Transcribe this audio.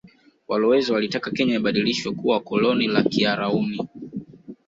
Walowezi walitaka Kenya ibadilishwe kuwa koloni la kiarauni